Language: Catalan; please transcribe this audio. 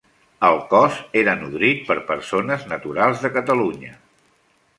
El cos era nodrit per persones naturals de Catalunya.